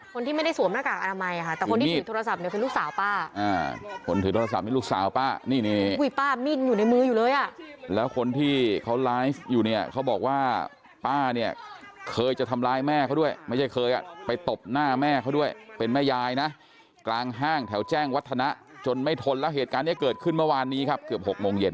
คนคนปูนเนี่ยคอยเลยในมืออยู่เลยอ่ะแล้วคนที่เขาร้ายอยู่เนี่ยเขาบอกว่าป้านี่เคยจะทำร้ายแม่เขาด้วยไม่ใช่เคยไปตบหน้าแม่เขาด้วยเป็นแม่ยายนะกลางห้างแถวแจ้งวัฒนาจนไม่ทนแล้วเหตุการณ์ก็เกิดขึ้นวันนี้ครับเกือบหกโมงเย็น